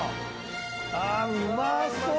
あぁうまそう！